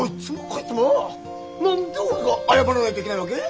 何で俺が謝らないといけないわけ？